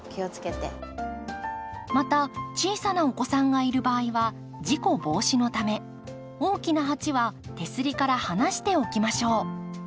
また小さなお子さんがいる場合は事故防止のため大きな鉢は手すりから離して置きましょう。